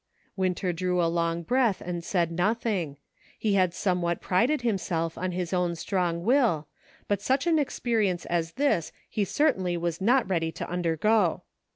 Winter drew a long breath and said nothing ; he had somewhat prided himself on his own strong will, but such an experience as this he certainly was not ready to undergo.